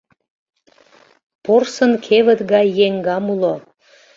Порсын кевыт гай еҥгам уло